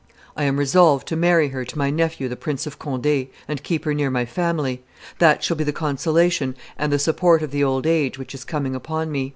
I am resolved to marry her to my nephew the Prince of Conde, and keep her near my family. That shall be the consolation and the support of the old age which is coming upon me.